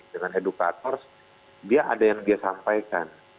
dengan edukator dia ada yang dia sampaikan